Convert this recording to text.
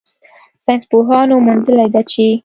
ساینسپوهانو موندلې ده چې